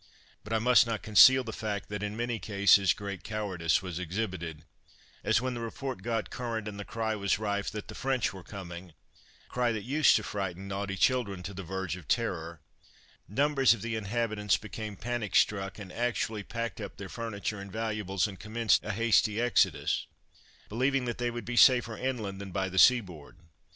But I must not conceal the fact that, in many cases, great cowardice was exhibited; as, when the report got current and the cry was rife that "the French were coming" a cry that used to frighten naughty children to the verge of terror numbers of the inhabitants became panic struck, and actually packed up their furniture and valuables, and commenced a hasty exodus believing that they would be safer inland than by the seaboard.